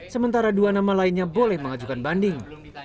sementara dua nama lainnya boleh mengajukan banding